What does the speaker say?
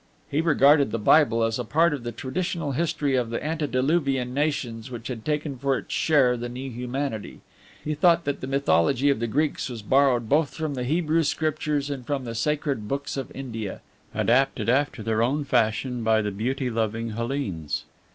He regarded the Bible as a part of the traditional history of the antediluvian nations which had taken for its share the new humanity. He thought that the mythology of the Greeks was borrowed both from the Hebrew Scriptures and from the sacred Books of India, adapted after their own fashion by the beauty loving Hellenes.